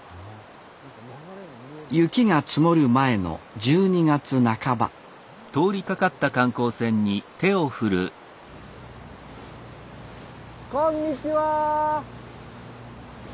雪が積もる前の１２月半ばこんにちは！